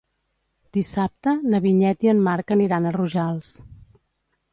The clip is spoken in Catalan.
Dissabte na Vinyet i en Marc aniran a Rojals.